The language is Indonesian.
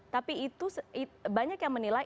tapi itu banyak yang menilai